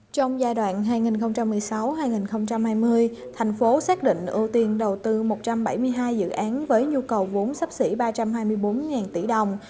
trong giai đoạn hai nghìn một mươi sáu hai nghìn hai mươi thành phố xác định ưu tiên đầu tư một trăm bảy mươi hai dự án với nhu cầu vốn sắp xỉ ba trăm hai mươi bốn tỷ đồng